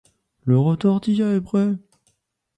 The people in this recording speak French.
Le retortillat est prêt.